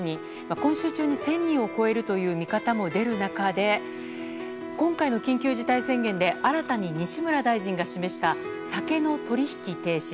今週中に１０００人を超えるという見方も出る中で今回の緊急事態宣言で新たに西村大臣が示した酒の取引停止。